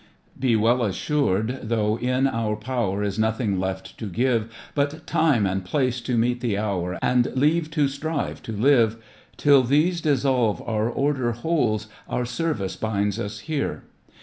Be well assured, tlwugh in our power Is nothing left to give But time and place to meet the hour And leave to strive to live. Till these dissolve our order holds, Our Service binds us here.